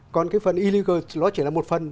còn cái phần illegal nó chỉ là một phần